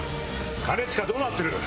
兼近どうなってる？